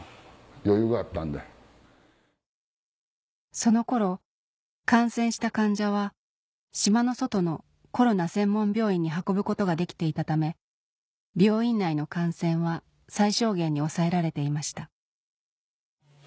まずその頃感染した患者は島の外のコロナ専門病院に運ぶことができていたため病院内の感染は最小限に抑えられていました